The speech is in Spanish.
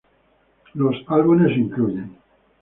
Los álbumes incluyen:Ï